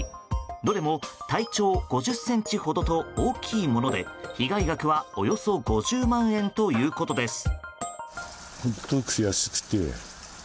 どれも体長５０ｃｍほどと大きいもので被害額はおよそ５０万円ということです。